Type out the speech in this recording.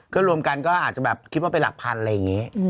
ก็รวมกันก็อาจจะแบบคิดว่าเป็นหลักพันอะไรอย่างนี้